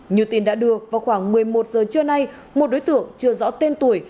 như tin đã đưa vào khoảng một mươi một giờ trưa nay một đối tượng chưa rõ tên tuổi